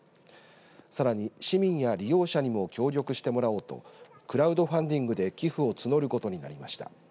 さらに市民や利用者にも協力してもらおうとクラウドファンディングで寄付を募ることになりました。